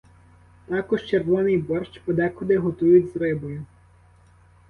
Також червоний борщ подекуди готують з рибою.